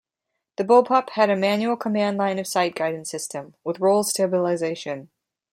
The Bullpup had a Manual Command Line Of Sight guidance system with roll-stabilization.